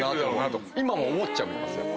今も思っちゃいますよ。